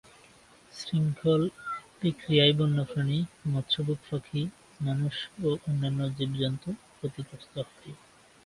শৃঙ্খলবিক্রিয়ায় বন্যপ্রাণী, মৎস্যভুক পাখি, মানুষ ও অন্যান্য জীবজন্তু ক্ষতিগ্রস্ত হয়।